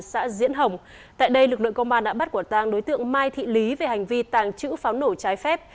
xã diễn hồng tại đây lực lượng công an đã bắt quản tăng đối tượng mai thị lý về hành vi tàng chữ pháo nổ trái phép